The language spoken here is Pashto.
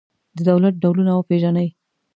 د دولت ډولونه وپېژنئ.